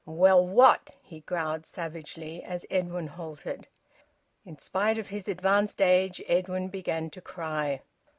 "Well, what?" he growled savagely, as Edwin halted. In spite of his advanced age Edwin began to cry.